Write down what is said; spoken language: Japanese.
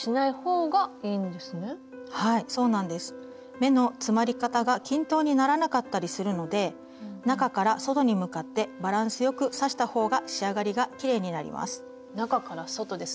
目の詰まり方が均等にならなかったりするので中から外に向かってバランスよく刺したほうが仕上がりがきれいになります。